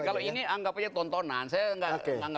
kalau ini anggap aja tontonan